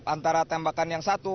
antara tembakan yang satu